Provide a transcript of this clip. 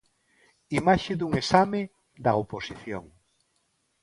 Imaxe dun exame da oposición.